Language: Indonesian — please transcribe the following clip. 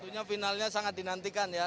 tentunya finalnya sangat dinantikan ya